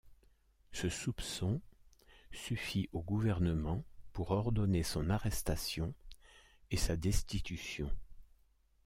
Ce soupçon suffit au gouvernement pour ordonner son arrestation et sa destitution.